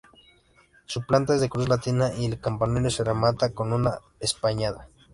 Su planta es de cruz latina y el campanario se remata con una espadaña.